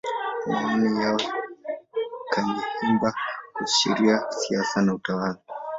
Maoni ya Kanyeihamba kuhusu Sheria, Siasa na Utawala.